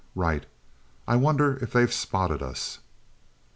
"Right. I wonder if they've spotted us."